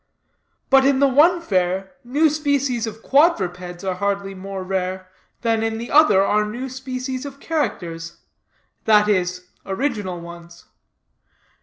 But in the one fair, new species of quadrupeds are hardly more rare, than in the other are new species of characters that is, original ones.